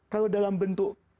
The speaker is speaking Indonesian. kalau dalam bentuk